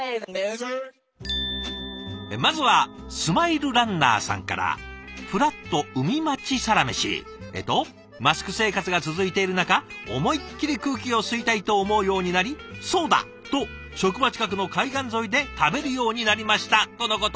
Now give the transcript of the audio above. まずは「マスク生活が続いている中思いっきり空気を吸いたいと思うようになりそうだ！と職場近くの海岸沿いで食べるようになりました」とのこと。